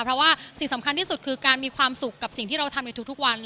เพราะว่าสิ่งสำคัญที่สุดคือการมีความสุขกับสิ่งที่เราทำในทุกวัน